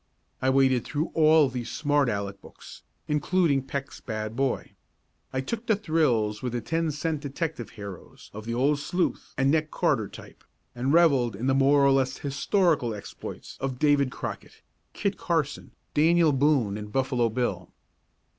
I waded through all the "Smart Aleck" books, including "Peck's Bad Boy." I took the thrills with the ten cent detective heroes of the Old Sleuth and Nick Carter type, and revelled in the more or less historical exploits of David Crockett, Kit Carson, Daniel Boone and Buffalo Bill.